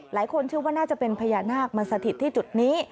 หลายคนเชื่อว่าน่าจะเป็นพญานาคมาสถิตที่จุดนี้